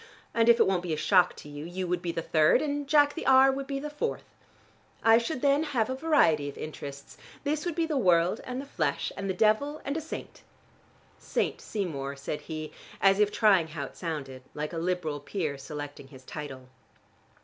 And if it won't be a shock to you, you would be the third, and Jack the R. would be the fourth. I should then have a variety of interests: this would be the world and the flesh and the devil, and a saint." "St. Seymour," said he, as if trying how it sounded, like a Liberal peer selecting his title.